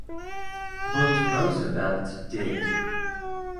But Roosevelt did.